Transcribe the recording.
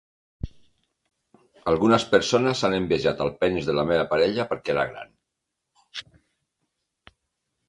Algunes persones han envejat el penis de la meva parella perquè era gran.